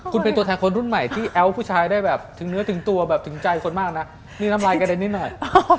คุณเป็นตัวแทนคนรุ่นใหม่ที่แอ้วผู้ชายได้แบบถึงเนื้อถึงตัวแบบถึงใจคนมากนะนี่น้ำลายกระเด็นนิดหน่อย